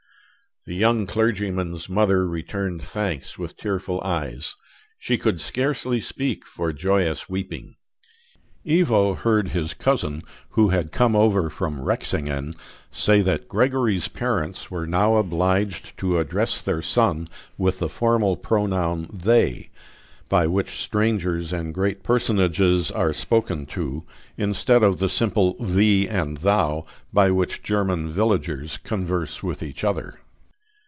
The young clergyman's mother returned thanks with tearful eyes; she could scarcely speak for joyous weeping. Ivo heard his cousin, who had come over from Rexingen, say that Gregory's parents were now obliged to address their son with the formal pronoun "they," by which strangers and great personages are spoken to, instead of the simple "thee and thou," by which German villagers converse with each other.